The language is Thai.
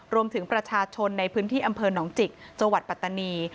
รวมถึงประชาชนในพื้นที่อำเภอหนองจิกจังหวัดปัตตานี